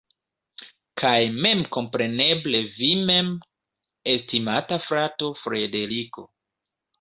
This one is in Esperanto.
Kaj memkompreneble vi mem, estimata frato Frederiko.